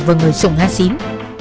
vào người sùng a xín